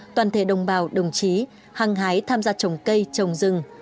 toàn thể đồng bào đồng chí hăng hái tham gia trồng cây trồng rừng